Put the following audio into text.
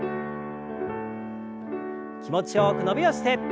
気持ちよく伸びをして。